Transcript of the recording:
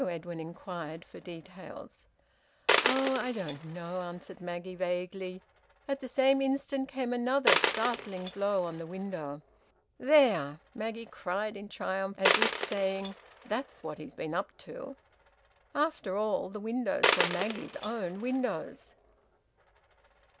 Edwin inquired for details. "Oh! I don't know," answered Maggie vaguely. At the same instant came another startling blow on the window. "There!" Maggie cried, in triumph, as if saying: "That's what he's been up to!" After all, the windows were Maggie's own windows.